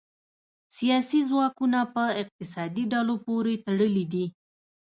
سیاسي ځواکونه په اقتصادي ډلو پورې تړلي دي